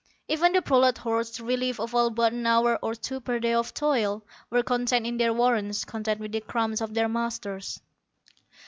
Even the prolat hordes, relieved of all but an hour or two per day of toil, were content in their warrens content with the crumbs of their masters.